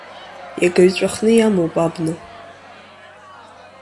Иагаҩ ҵәахны иамоуп абна.